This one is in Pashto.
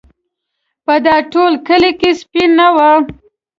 په دا ټول کلي کې سپی نه و.